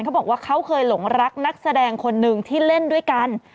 เขาบอกว่าเขาเคยหลงรักนักแสดงคนหนึ่งที่เล่นด้วยกัน